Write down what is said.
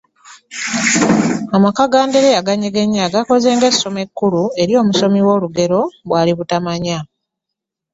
Amaka ga Andereya Ganyegenya gakoze g’essomo ekkulu eri omusomi w’olugero Bwali Butamanya.